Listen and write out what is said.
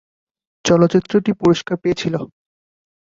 চলচ্চিত্রটি পুরস্কার পেয়েছিল।